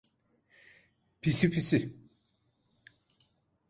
Pisi pisi.